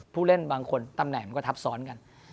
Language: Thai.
ผู้เล่นบางคนตำแหน่งมันก็ทับซ้อนกัน